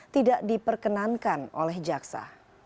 tidak diperkenankan oleh jaksa